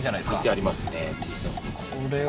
店ありますね